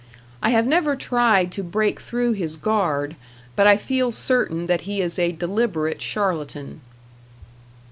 I have never tried to break through his guard, but I feel certain that he is a deliberate charlatan.